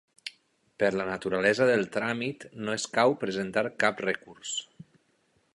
Per la naturalesa del tràmit, no escau presentar cap recurs.